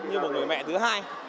như một người mẹ thứ hai